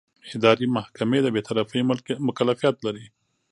اداري محکمې د بېطرفۍ مکلفیت لري.